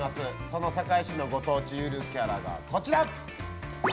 その堺市のご当地ゆるキャラがこちら。